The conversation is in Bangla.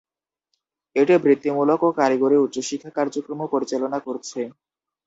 এটি বৃত্তিমূলক ও কারিগরি উচ্চ শিক্ষা কার্যক্রমও পরিচালনা করছে।